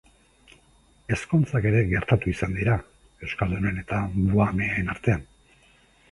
Ezkontzak ere gertatu izan dira euskaldunen eta buhameen artean.